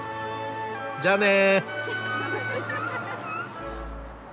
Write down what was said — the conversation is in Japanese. じゃあね。